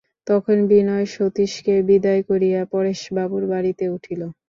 তখন বিনয় সতীশকে বিদায় করিয়া পরেশবাবুর বাড়িতে উঠিল।